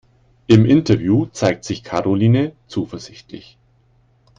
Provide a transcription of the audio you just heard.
Im Interview zeigt sich Karoline zuversichtlich.